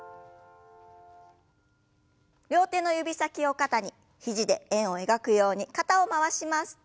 両手の指先を肩に肘で円を描くように肩を回します。